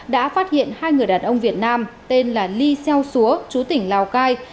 đã phát hiện hai người đàn ông việt nam tên là ly xeo xúa chú tỉnh lào cai